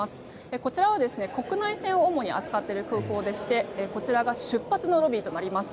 こちらは国内線を主に扱っている空港でしてこちらが出発のロビーとなります。